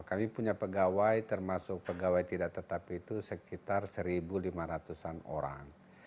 kami punya pegawai termasuk pegawai tidak tetapi itu sekitar seribu lima ratusan orang